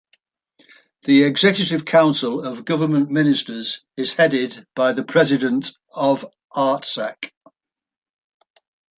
The executive council of government ministers is headed by the President of Artsakh.